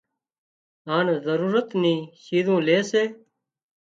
هانَ ضرورت نِي شِيزون لي سي